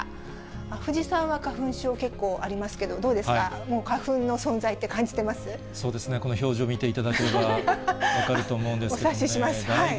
藤井さんは花粉症、結構ありますけど、どうですか、もう花粉の存そうですね、この表情見ていただければ分かると思うんですけども。